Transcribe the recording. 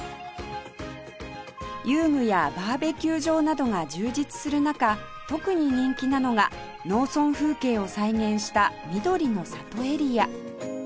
遊具やバーベキュー場などが充実する中特に人気なのが農村風景を再現したみどりの里エリア